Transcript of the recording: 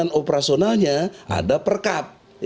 dan operasionalnya ada perkab